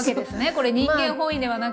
これ人間本位ではなく。